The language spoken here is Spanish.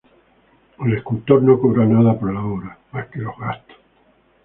El escultor no cobró nada por la obra, más que los gastos.